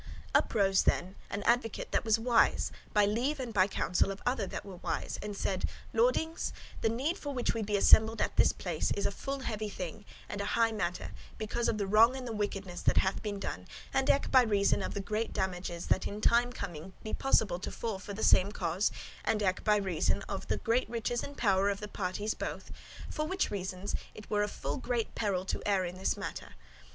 Up rose then an advocate that was wise, by leave and by counsel of other that were wise, and said, "Lordings, the need [business] for which we be assembled in this place, is a full heavy thing, and an high matter, because of the wrong and of the wickedness that hath been done, and eke by reason of the great damages that in time coming be possible to fall for the same cause, and eke by reason of the great riches and power of the parties both; for which reasons, it were a full great peril to err in this matter.